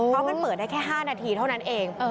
เพราะมันเปิดได้แค่๕นาทีเท่านั้นเอง